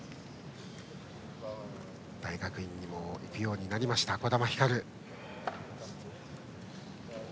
大学院にも行くようにもなりました児玉ひかる。